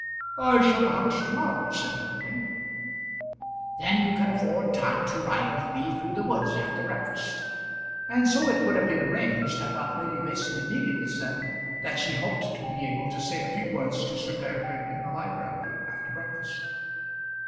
"I shall hunt to morrow," said Peregrine. "Then you can afford time to ride with me through the woods after breakfast." And so it would have been arranged had not Lady Mason immediately said that she hoped to be able to say a few words to Sir Peregrine in the library after breakfast.